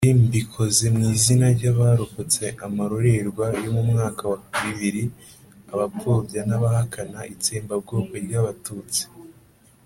bi mbikoze mu izina ry'abarokotse amarorerwa yo mu mwaka wa bibiri abapfobya n'abahakana itsembabwoko ry'abatutsi